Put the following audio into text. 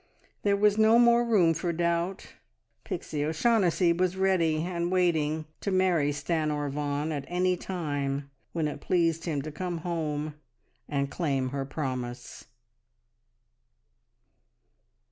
There was no more room for doubt. Pixie O'Shaughnessy was ready and waiting to marry Stanor Vaughan at any time when it pleased him to come home and claim her promise.